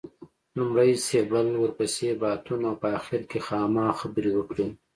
لومړی سېبل ورپسې باتون او په اخر کې خاما خبرې وکړې.